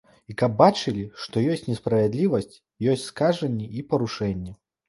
І каб бачылі, што ёсць несправядлівасць, ёсць скажэнні і парушэнні.